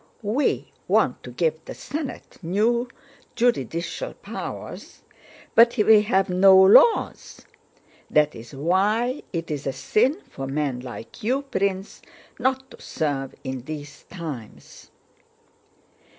"We want to give the Senate new juridical powers, but we have no laws. That is why it is a sin for men like you, Prince, not to serve in these times!"